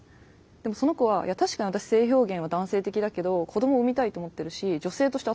でもその子は「いや確かに私性表現は男性的だけど子供産みたいと思ってるし女性として扱われること